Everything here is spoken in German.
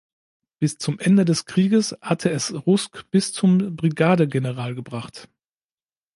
Bis zum Ende des Krieges hatte es Rusk bis zum Brigadegeneral gebracht.